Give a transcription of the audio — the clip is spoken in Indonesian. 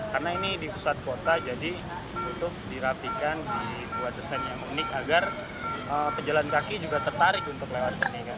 karena ini di pusat kota jadi butuh dirapikan buat desain yang unik agar penjalan kaki juga tertarik untuk lewat sini